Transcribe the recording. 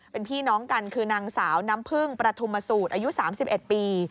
เป็นพี่น้องกันคือนางสาวน้ำพึ่งประธุมสูตรอายุ๓๑ปี